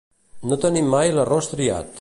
No tenir mai l'arròs triat.